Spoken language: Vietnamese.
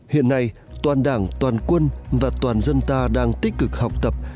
hiện nay toàn đảng toàn quân và toàn dân ta đang tích cực học tập